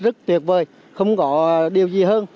rất tuyệt vời không có điều gì hơn